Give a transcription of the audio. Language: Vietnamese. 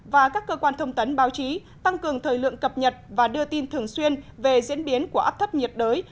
và các cơ quan thông tấn báo chí tăng cường thời lượng cập nhật và đưa tin thường xuyên về diễn biến của áp thấp nhiệt đới